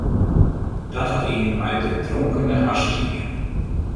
Dat hat ien mei de dronkene harsens dien.